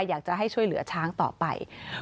อยากจะให้ช่วยเหลือช้างต่อไป